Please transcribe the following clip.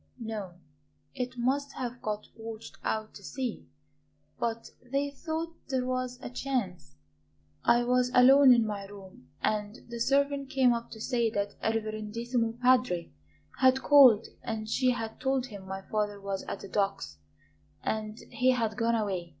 "No; it must have got washed out to sea; but they thought there was a chance. I was alone in my room and the servant came up to say that a 'reverendissimo padre' had called and she had told him my father was at the docks and he had gone away.